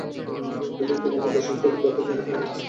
তুমি তোমার দেশাচারের দোহাই দিবে, তিনি তাঁহার দেশাচারের দোহাই দিবেন।